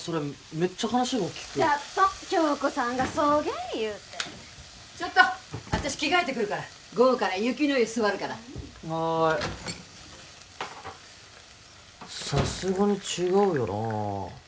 めっちゃ話が大きくじゃっどん響子さんがそげん言うてちょっと私着替えてくるから午後から雪乃湯座るからはいさすがに違うよなあ